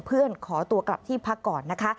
เพื่อนขอตัวกลับที่พักก่อนนะคะ